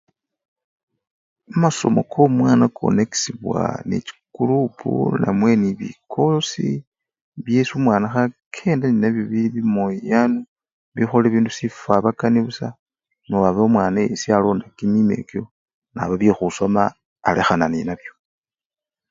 Kamasomo komwana konakisyibwa nende chikurupu namwe nebikosi byesi omwana khakrnda nenabyo bili bimoyani bikhola bibindu sifwabakani busa naba omwana yesi alonda kimima kyabwe ekyo naba byekhusoma alekhana nenabyo.